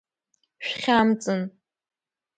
Шәхьамҵын!